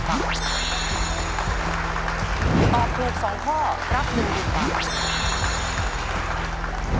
ตอบถูก๒ข้อรับ๑๐๐๐บาท